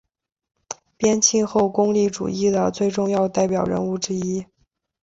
边沁后功利主义的最重要代表人物之一。